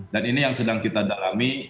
dan ini yang sedang kita dalami